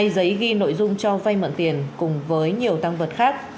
hai giấy ghi nội dung cho vay mượn tiền cùng với nhiều tăng vật khác